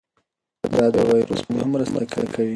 دا د ویروس پر وړاندې هم مرسته کوي.